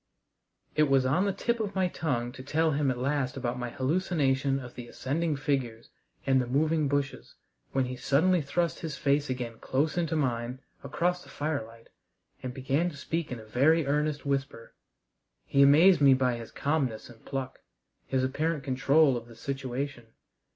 It was on the tip of my tongue to tell him at last about my hallucination of the ascending figures and the moving bushes, when he suddenly thrust his face again close into mine across the firelight and began to speak in a very earnest whisper. He amazed me by his calmness and pluck, his apparent control of the situation.